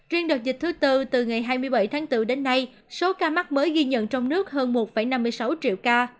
riêng đợt dịch thứ tư từ ngày hai mươi bảy tháng bốn đến nay số ca mắc mới ghi nhận trong nước hơn một năm mươi sáu triệu ca